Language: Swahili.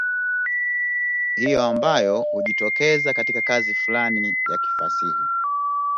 hiyo ambao hujitokeza katika kazi fulani ya kifasihi